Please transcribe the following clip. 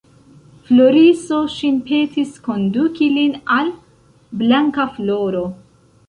Floriso ŝin petis konduki lin al Blankafloro.